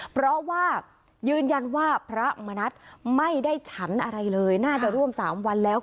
เพราะว่ายืนยันว่าพระมณัฐไม่ได้ฉันอะไรเลยน่าจะร่วม๓วันแล้ว